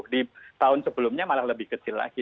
di tahun sebelumnya malah lebih kecil lagi